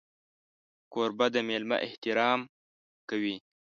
کوربه د مېلمه احترام کوي.